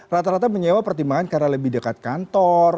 rata rata menyewa pertimbangan karena lebih dekat kantor